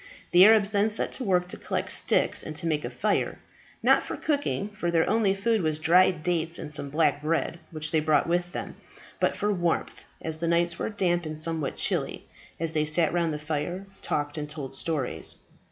The Arabs then set to work to collect sticks and to make a fire not for cooking, for their only food was dried dates and some black bread, which they brought with them but for warmth, as the nights were damp and somewhat chilly, as they sat round the fire, talked, and told stories.